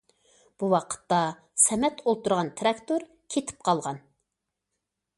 بۇ ۋاقىتتا سەمەت ئولتۇرغان تىراكتور كېتىپ قالغان.